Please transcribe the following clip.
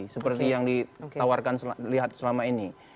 seperti yang ditawarkan lihat selama ini